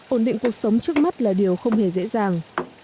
ổn định cuộc sống trước mắt là điều không hề dễ dàng